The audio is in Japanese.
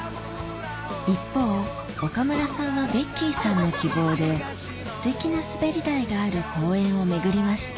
一方岡村さんはベッキーさんの希望ですてきな滑り台がある公園を巡りました